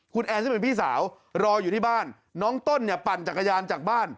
คุณแอนซึ่งเป็นพี่สาวรออยู่ที่บ้านน้องต้นเนี่ยปั่นจักรยานจากบ้าน